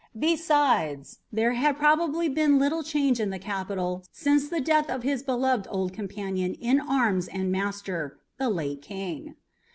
Besides, there had probably been little change in the capital since the death of his beloved old companion in arms and master, the late King.